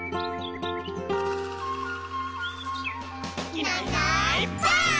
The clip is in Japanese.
「いないいないばあっ！」